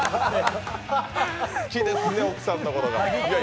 好きですね、奧さんのこと。